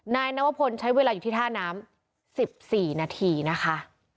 นายนวพลใช้เวลาอยู่ที่ท่าน้ำ๑๔นาทีนะคะ